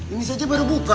ini saja baru buka